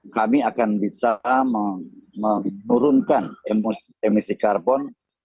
kami akan bisa menurunkan emisi karbon